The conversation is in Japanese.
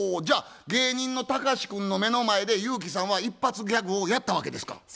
じゃあ芸人のタカシ君の目の前でユウキさんは一発ギャグをやったわけですか？